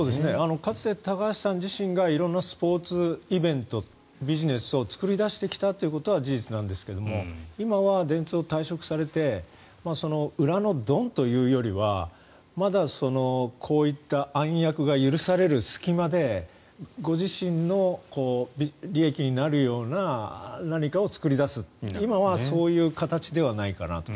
かつて、高橋さん自身が色々なスポーツイベントビジネスを作り出してきたということは事実なんですが今は電通を退職されて裏のドンというよりはまだこういった暗躍が許される隙間でご自身の利益になるような何かを作り出す今はそういう形ではないかなと。